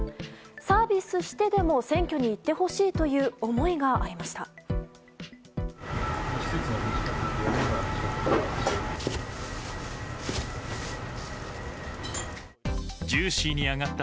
サービスしてでも選挙に行ってほしいという思いがありました。